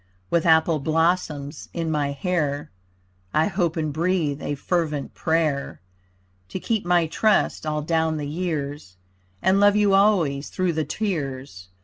With apple blossoms in my hair I hope and breathe a fervent prayer To keep my trust all down the years, And love you always through the tears.